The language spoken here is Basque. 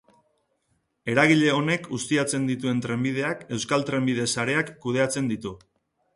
Eragile honek ustiatzen dituen trenbideak Euskal Trenbide Sareak kudeatzen ditu.